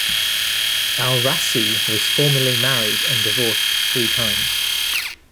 El Rassi was formerly married and divorced three times.